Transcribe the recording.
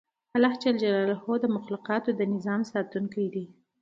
الله ج د مخلوقاتو د نظام ساتونکی دی